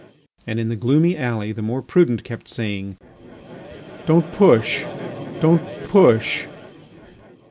And in the gloomy alley the more prudent kept saying, "Don't push."